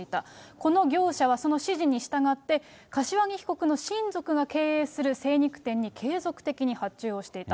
この業者はその指示に従って、柏木被告の親族が経営する精肉店に継続的に発注をしていた。